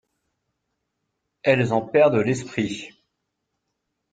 Elles en perdent l'esprit.